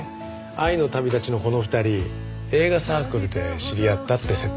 『愛の旅だち』のこの２人映画サークルで知り合ったって設定なんですよ。